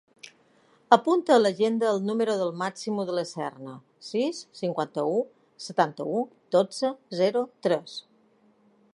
Apunta a l'agenda el número del Máximo De La Serna: sis, cinquanta-u, setanta-u, dotze, zero, tres.